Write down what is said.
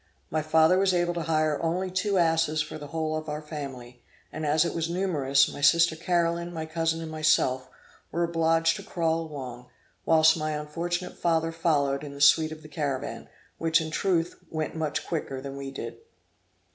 My father was able to hire only two asses for the whole of our family; and as it was numerous, my sister Caroline, my cousin, and myself, were obliged to crawl along, whilst my unfortunate father followed in the suite of the caravan, which in truth went much quicker than we did.